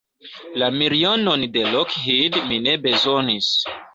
La milionon de Lockheed mi ne bezonis.